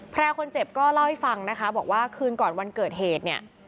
คนเจ็บก็เล่าให้ฟังนะคะบอกว่าคืนก่อนวันเกิดเหตุเนี่ย